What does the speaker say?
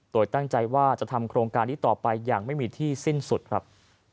โดยตั้งใจว่าจะทำโครงการนี้ต่อไปอย่างไม่มีที่สิ้นสุดครับ